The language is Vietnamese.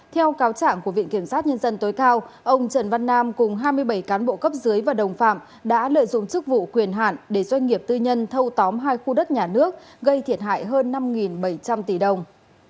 theo cáo trạng của viện kiểm sát nhân dân tối cao ông trần văn nam cùng hai mươi bảy cán bộ cấp dưới và đồng phạm đã lợi dụng chức vụ quyền hạn để doanh nghiệp tư nhân thâu tóm hai khu đất nhà nước gây thiệt hại hơn năm bảy trăm linh tỷ đồng